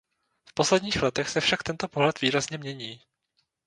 V posledních letech se však tento pohled výrazně mění.